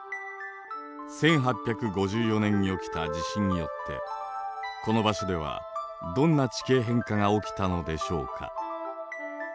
１８５４年に起きた地震によってこの場所ではどんな地形変化が起きたのでしょうか？